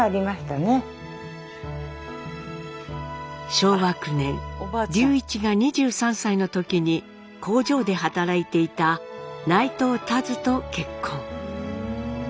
昭和９年隆一が２３歳の時に工場で働いていた内藤たづと結婚。